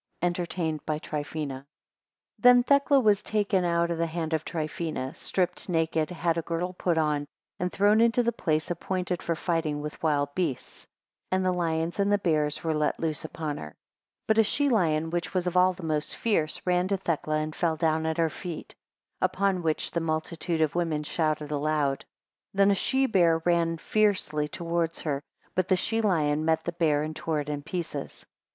24 Entertained by Trifina, THEN Thecla was taken out of the hand of Trifina, stripped naked, had a girdle put on, and thrown into the place appointed for fighting with the beasts: and the lions and the bears were let loose upon her. 2 But a she lion, which was of all the most fierce, ran to Thecla, and fell down at her feet. Upon which the multitude of women shouted aloud. 3 Then a she bear ran fiercely towards her, but the she lion met the bear, and tore it in pieces.